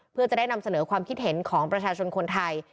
เพื่อจะได้นำเสนอความคิดเห็นของประชาชนคนไทย